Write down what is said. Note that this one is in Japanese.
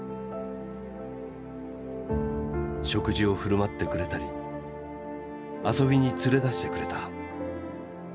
食事を振る舞ってくれたり遊びに連れ出してくれた。